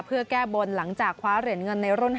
เพื่อแก้บนหลังจากคว้าเหรียญเงินในรุ่น๕